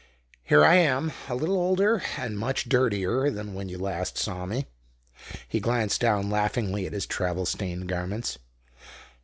"Here I am a little older, and much dirtier than when you last saw me!" He glanced down laughingly at his travel stained garments.